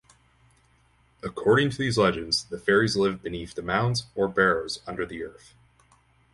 According to these legends, the fairies live beneath mounds or barrows under the earth.